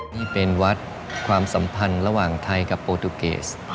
นี่เป็นวัดความสัมพันธ์ระหว่างไทยกับโปรตูเกส